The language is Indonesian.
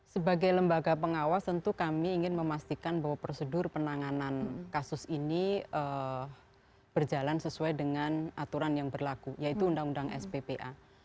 sebagai lembaga pengawas tentu kami ingin memastikan bahwa prosedur penanganan kasus ini berjalan sesuai dengan aturan yang berlaku yaitu undang undang sppa